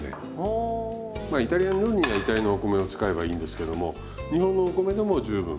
まあイタリアの料理にはイタリアのお米を使えばいいんですけども日本のお米でも十分。